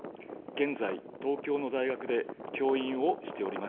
現在、東京の大学で教員をしております。